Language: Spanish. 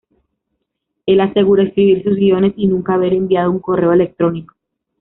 Él asegura escribir sus guiones y nunca haber enviado un correo electrónico.